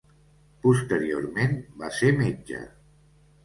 Posteriorment va ser metge.